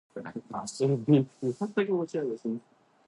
おはよう世の中夢を連れて繰り返した夢には生活のメロディ